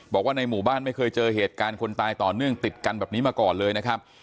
บอกว่าในหมู่บ้านไม่เคยเจอเหตุการณ์คนตายต่อเนื่องติดกันแบบนี้มาก่อนเลยนะครับ